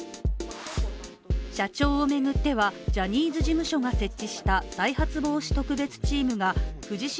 社長を巡っては、ジャニーズ事務所が設置した再発防止特別チームが藤島